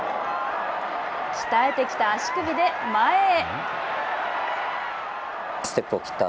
鍛えてきた足首で前へ。